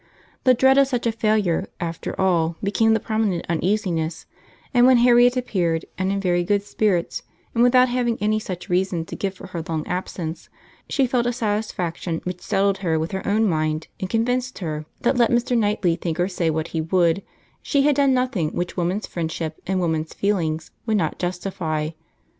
The dread of such a failure after all became the prominent uneasiness; and when Harriet appeared, and in very good spirits, and without having any such reason to give for her long absence, she felt a satisfaction which settled her with her own mind, and convinced her, that let Mr. Knightley think or say what he would, she had done nothing which woman's friendship and woman's feelings would not justify.